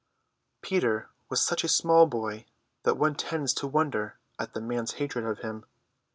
Peter was such a small boy that one tends to wonder at the man's hatred of him.